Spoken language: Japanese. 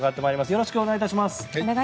よろしくお願いします。